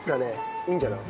いいんじゃない？